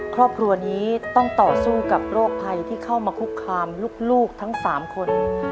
ครอบครัวนี้ต้องต่อสู้กับโรคภัยที่เข้ามาคุกคามลูกทั้ง๓คน